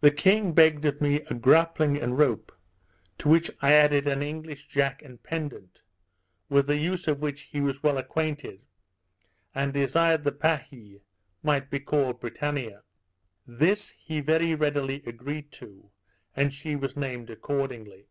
The king begged of me a grappling and rope, to which I added an English jack and pendant (with the use of which he was well acquainted), and desired the pahie might be called Britannia. This he very readily agreed to; and she was named accordingly.